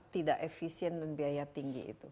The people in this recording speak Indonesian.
tidak efisien dan biaya tinggi itu